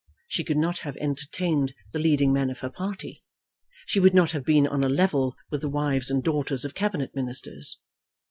She could not have entertained the leading men of her party. She would not have been on a level with the wives and daughters of Cabinet Ministers.